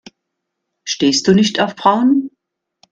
Stehst du nicht auf Frauen?